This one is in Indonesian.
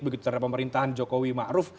begitu secara pemerintahan jokowi ma'ruf